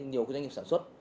nhiều doanh nghiệp sản xuất